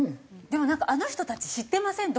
でもあの人たち知ってません？